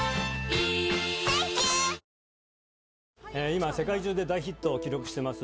今世界中で大ヒットを記録してます